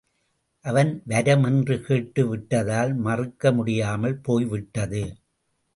அவன் வரம் என்று கேட்டு விட்டதால் மறுக்க முடியாமல் போய்விட்டது.